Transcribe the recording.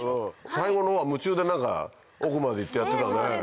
最後の方は夢中で奥まで行ってやってたね。